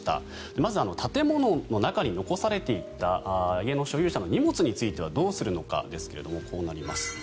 まず、建物の中に残されていた家の所有者の荷物についてはどうするのかですけれどもこうなります。